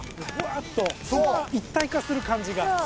ブワッと一体化する感じが。